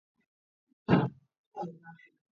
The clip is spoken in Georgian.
სიახლოვეს არის მდინარე დორდონის სათავე.